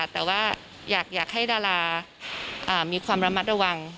แต่ว่าอยากให้ดารามีความระมัดระวัง